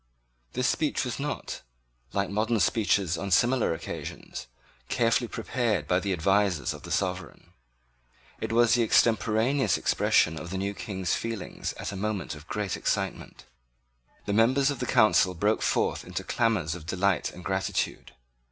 This speech was not, like modern speeches on similar occasions, carefully prepared by the advisers of the sovereign. It was the extemporaneous expression of the new King's feelings at a moment of great excitement. The members of the Council broke forth into clamours of delight and gratitude.